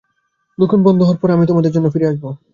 দোকান বন্ধ হওয়ার পর আমি তোমাদের জন্য ফিরে আসব।